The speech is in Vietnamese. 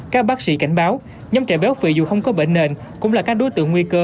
các bác sĩ cảnh báo nhóm trẻ béo phì dù không có bệnh nền cũng là các đối tượng nguy cơ